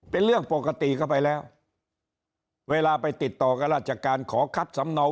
เป็นเรื่องปกติเข้าไปแล้วเวลาไปติดต่อกับราชการขอคัดสำเนา